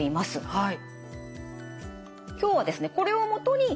はい。